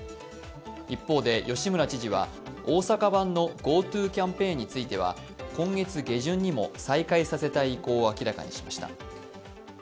一方で吉村知事は、大阪版のＧｏＴｏキャンペーンについては今月下旬にも再開させたい意向を明らかにしました。